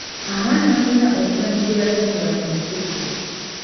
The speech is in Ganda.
Abaana balina omuzannyo gwe bazannyira mu lusuku.